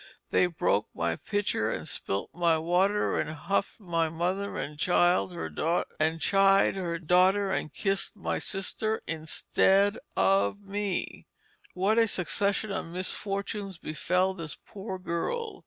They broke my Pitcher And spilt my Water And huffed my Mother And chid her Daughter, And kiss'd my Sister instead of me. "What a Succession of Misfortunes befell this poor Girl?